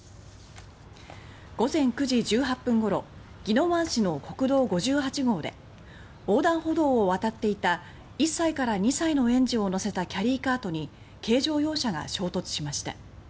午前９時１８分ごろ宜野湾市の国道５８号で横断歩道を渡っていた１歳から２歳の園児を乗せたキャリーカートに軽乗用車が衝突しました。